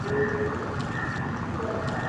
viazi lishe huoshwa kuoshwa kabla ya kuanikwa